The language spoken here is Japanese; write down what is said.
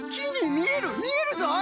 みえるぞい！